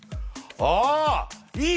ああいい